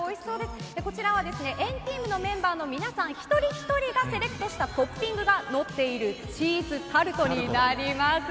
こちらは＆ＴＥＡＭのメンバー一人ひとりがセレクトしたトッピングがのっているチーズタルトになります。